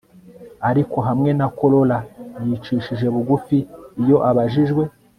ariko, hamwe na corolla yicishije bugufi iyo abajijwe